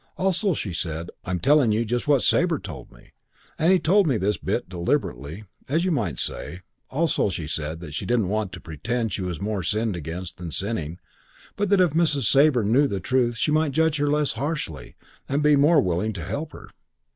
Also she said, I'm telling you just what Sabre told me, and he told me this bit deliberately, as you might say also she said that she didn't want to pretend she was more sinned against than sinning, but that if Mrs. Sabre knew the truth she might judge her less harshly and be more willing to help her.